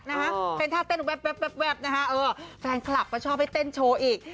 มีคือท่าเต้นใหม่แล้วฟันคลับก็ชอบให้เต้นโชว์อีก